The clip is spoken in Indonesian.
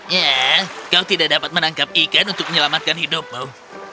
ya kau tidak dapat menangkap ikan untuk menyelamatkan hidupmu